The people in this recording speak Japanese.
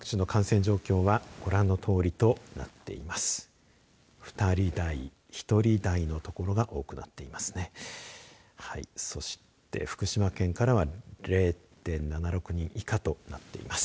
そして、福島県からは０．７６人以下となっています。